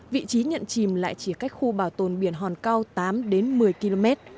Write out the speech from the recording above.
vị trí nhận chìm lại chỉ cách khu bảo tồn biển hòn cao tám đến một mươi km